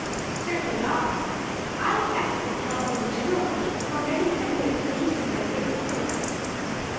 "Certainly not. I have excellent health as a general thing, while many an eminent saint has been a great sufferer.